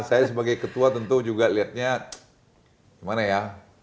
saya sebagai ketua tentu juga lihatnya gimana ya